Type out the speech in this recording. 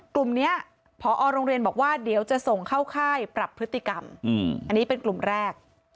กลุ่มนี้พอโรงเรียนบอกว่าเดี๋ยวจะส่งเข้าค่ายปรับพฤติกรรมอันนี้เป็นกลุ่มแรก